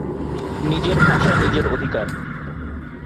নিজের ভাষা নিজের অধিকার।